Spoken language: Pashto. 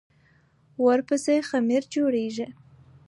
ورپسې خمیر جوړېږي.